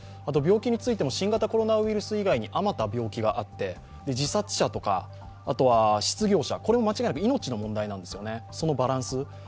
病気についても新型コロナウイルス以外にあまた病気があって自殺者とか失業者、これも間違いなく命の問題なんですよね、そのバランス。